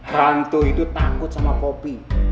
hantu itu takut sama poki